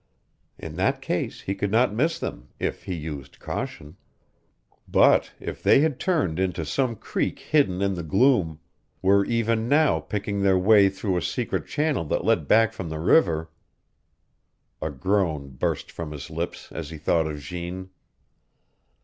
In that case he could not miss them, if he used caution. But if they had turned into some creek hidden in the gloom were even now picking their way through a secret channel that led back from the river A groan burst from his lips as he thought of Jeanne.